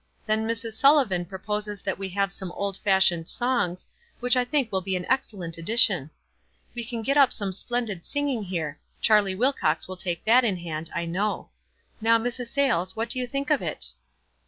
Then Mrs. Sullivan proposes that we have some old fashioned songs, which I think will be an excellent addition. We can get 42 WISE AND OTHERWISE. up some splendid singing here — Charlie "Wilcox will take that in hand, I know. Now, Mrs. Sayles, what do you think of it?"